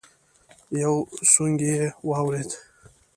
يو سونګی يې واورېد.